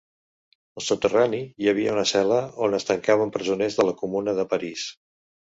Al soterrani hi havia una cel·la on es tancaven presoners de la Comuna de París.